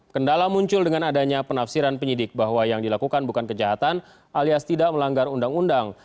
kendala muncul dengan adanya penafsiran penyidik bahwa yang dilakukan bukan kejahatan alias tidak melanggar undang undang